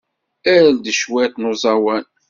Err-d cwiṭ n uẓawan.